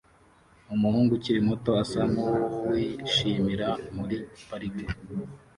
Umuhungu ukiri muto asa nkuwishimira muri parike